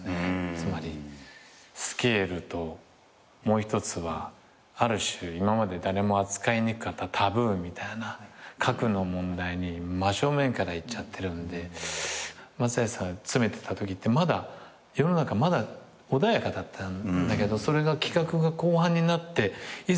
つまりスケールともう一つはある種今まで誰も扱いにくかったタブーみたいな核の問題に真正面からいっちゃってるんで松橋さん詰めてたときって世の中まだ穏やかだったんだけど企画が後半になっていざ